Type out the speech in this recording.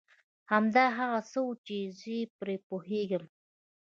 همدا هغه څه و چي زه پرې پوهېږم.